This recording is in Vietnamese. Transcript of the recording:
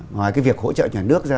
ngoài cái việc hỗ trợ nhà nước ra